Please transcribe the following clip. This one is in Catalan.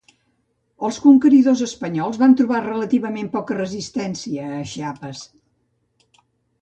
Els conqueridors espanyols van trobar relativament poca resistència a Chiapas.